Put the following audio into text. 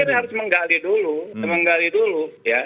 ya saya kira harus menggali dulu